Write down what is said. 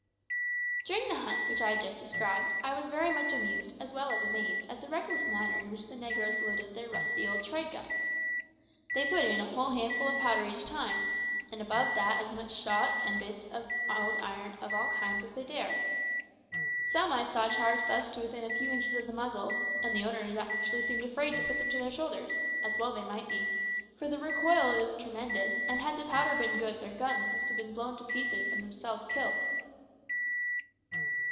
During the hunt which I have just described I was very much amused as well as amazed at the reckless manner in which the negroes loaded their rusty old trade guns. They put in a whole handful of powder each time, and above that as much shot and bits of old iron of all kinds as they dared; some I saw charged thus to within a few inches of the muzzle, and the owners seemed actually afraid to put them to their shoulders, as well they might be, for the recoil was tremendous, and had the powder been good their guns must have been blown to pieces and themselves killed.